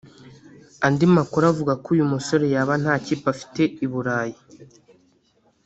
Andi makuru avuga ko uyu musore yaba nta kipe afite I Burayi